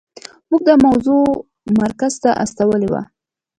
موږ دا موضوع مرکز ته استولې وه.